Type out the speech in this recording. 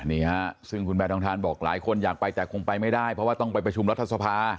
นี่ฮะซึ่งคุณแพทองทานบอกหลายคนอยากไปแต่คงไปไม่ได้เพราะว่าต้องไปประชุมรัฐสภา